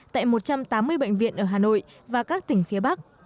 tại một trăm tám mươi bệnh viện ở hà nội và các tỉnh phía bắc